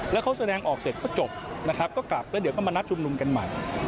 แล้วเขาแสดงออกเสร็จก็จบนะครับก็กลับแล้วเดี๋ยวก็มานัดชุมนุมกันใหม่